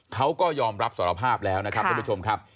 เขาก็ยอมรับสารภาพแล้วนะครับท่านผู้ชมครับ